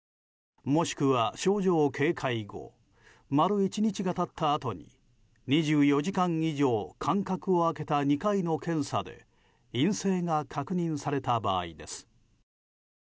もしくは、症状軽快後丸１日が経ったあとに２４時間以上間隔を空けた２回の検査で陰性が確認された場合です。